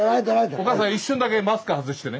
お母さん一瞬だけマスク外してね。